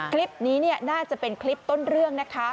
คลิปนี้น่าจะเป็นคลิปต้นเรื่องนะคะ